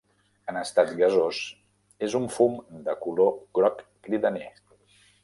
En estat gasós és un fum de color groc cridaner.